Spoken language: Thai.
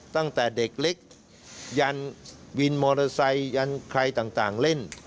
ตั้งแต่เด็กเล็กยันวินมอเตอร์ไซค์ยันใครต่างเล่น